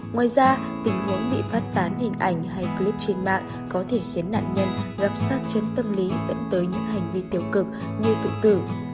ngoài ra tình huống bị phát tán hình ảnh hay clip trên mạng có thể khiến nạn nhân gặp sát chân tâm lý dẫn tới những hành vi tiêu cực như tự tử